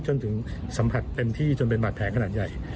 จนถึงสัมผัสเต็มที่จนเป็นบาดแผลขนาดใหญ่